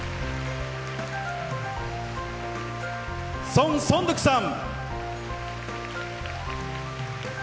ソン・ソンドゥクさん。